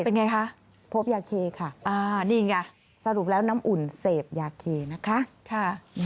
เป็นอย่างไรคะพบยาเคค่ะสรุปแล้วน้ำอุ่นเสพยาเคนะคะ